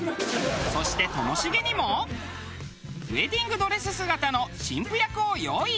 そしてともしげにもウエディングドレス姿の新婦役を用意。